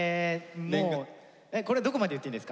これどこまで言っていいんですか？